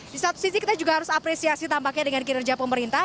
di satu sisi kita juga harus apresiasi tampaknya dengan kinerja pemerintah